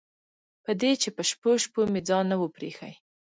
په دې چې په شپو شپو مې ځان نه و پرېښی.